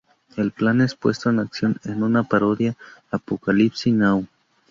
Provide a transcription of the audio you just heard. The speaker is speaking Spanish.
El plan es puesto en acción en una parodia a "Apocalypse Now".